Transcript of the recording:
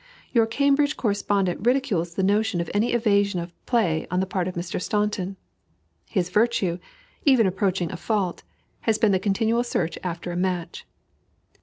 Your Cambridge correspondent ridicules the notion of any evasion of play on the part of Mr. Staunton. His virtue, even approaching a fault, has been the continual search after a match.